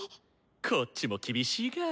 こっちも厳しいか。